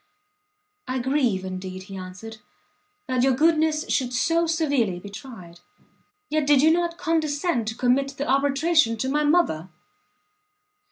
"I grieve, indeed," he answered, "that your goodness should so severely be tried; yet did you not condescend to commit the arbitration to my mother?"